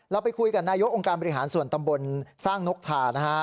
ไปคุยกับนายกองค์การบริหารส่วนตำบลสร้างนกทานะฮะ